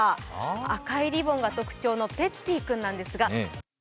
赤いリボンが特徴のペッツィ君なんですが。